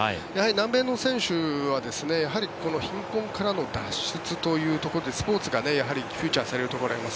南米の選手は貧困からの脱出というところでスポーツがフューチャーされるところではあります。